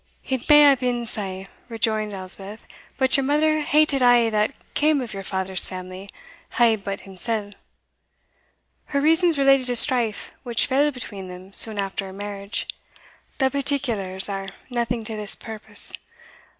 "It may hae been sae," rejoined Elspeth, "but your mother hated a' that cam of your father's family a' but himsell. Her reasons related to strife which fell between them soon after her marriage; the particulars are naething to this purpose.